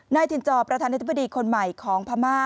ถิ่นจอประธานาธิบดีคนใหม่ของพม่า